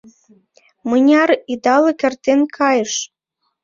Мыняр идалык эртен кайыш?